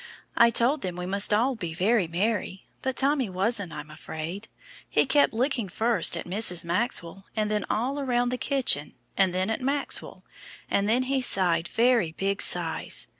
I told them we must all be very merry, but Tommy wasn't, I'm afraid. He kept looking first at Mrs. Maxwell and then all round the kitchen, and then at Maxwell, and then he sighed very big sighs.